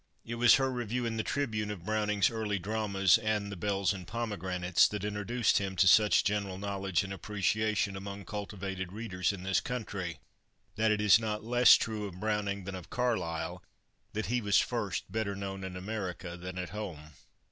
It was her review in the Tribune of Browning's early dramas and the "Bells and Pomegranates" that introduced him to such general knowledge and appreciation among cultivated readers in this country that it is not less true of Browning than of Carlyle that he was first better known in America than at home.